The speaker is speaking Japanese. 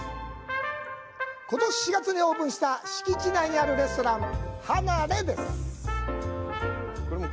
ことし４月にオープンした、敷地内にあるレストランハナレです。